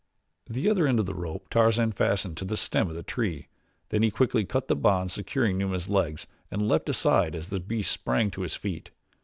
The other end of the rope Tarzan fastened to the stem of the tree, then he quickly cut the bonds securing Numa's legs and leaped aside as the beast sprang to his feet.